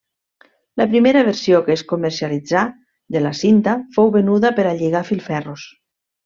La primera versió que es comercialitzà de la cinta fou venuda per a lligar filferros.